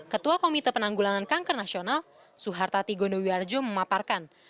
ketua komite penanggulangan kanker nasional suharta tigondo wiarjo memaparkan